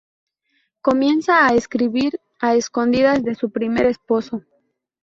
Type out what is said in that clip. Comienza a escribir a escondidas de su primer esposo.